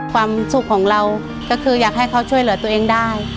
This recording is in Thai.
ความสุขของเราก็คืออยากให้เขาช่วยเหลือตัวเองได้